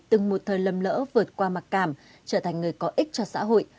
từng một thời lầm lỡ vượt qua mặc cảm trở thành người có ích cho xã hội